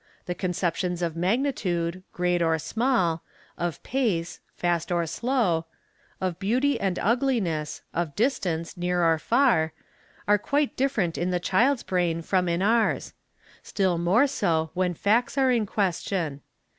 'The conceptions of magnitude—great or small, of pace—fast 92 EXAMINATION OF WITNESSES or slow, of beauty and ugliness, of distance—near or far, are quite different in the child's brain from in ours: still more so when facts are in question.